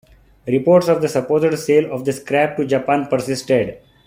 Reports of the supposed sale of the scrap to Japan persisted.